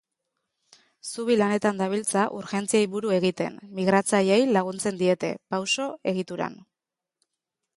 Zubi lanetan dabiltza urgentziei buru egiten, migratzaileei laguntzen diete, pauso-egituran.